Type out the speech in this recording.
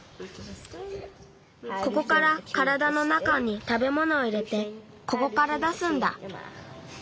ここからからだの中にたべものを入れてここから出すんだ。